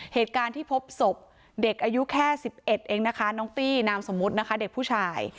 เหตุการณ์ที่พบศพเด็กอายุแค่๑๑เองนะคะน้องตี้นามสมมุตินะคะเด็กผู้ชาย